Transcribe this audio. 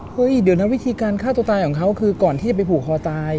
เดี๋ยวนะวิธีการฆ่าตัวตายของเขาคือก่อนที่จะไปผูกคอตาย